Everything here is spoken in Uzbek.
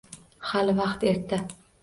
Hali vaqt erta.